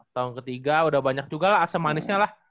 tahun ketiga udah banyak juga lah asem manisnya lah